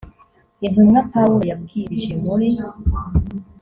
intumwa pawulo yabwirije muri